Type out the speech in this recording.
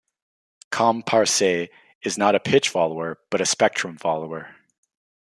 ComParser is not a "pitch-follower", but a "spectrum-follower".